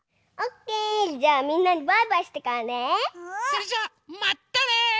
それじゃまったね！